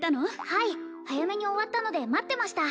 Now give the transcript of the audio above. はい早めに終わったので待ってました